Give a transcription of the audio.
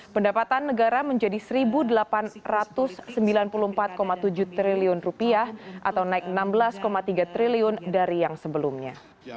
pendapatan negara menjadi rp satu delapan ratus sembilan puluh empat tujuh triliun atau naik rp enam belas tiga triliun dari yang sebelumnya